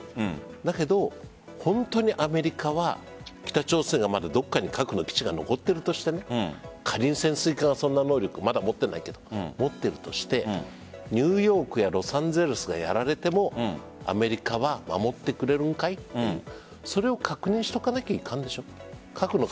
だけど、本当にアメリカは北朝鮮がまだどこかに核の基地が残っているとして仮に潜水艦がそんな能力を持っていないけど持っているとしてニューヨークやロサンゼルスでやられてもアメリカは守ってくれるのかい？というそれを確認しておかなければいけないでしょう。